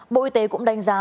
bộ y tế cũng đánh giá